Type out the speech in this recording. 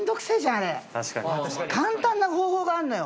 確かに簡単な方法があんのよ